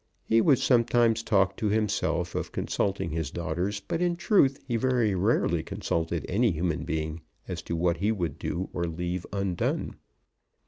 He would sometimes talk to himself of consulting his daughters; but in truth he very rarely consulted any human being as to what he would do or leave undone.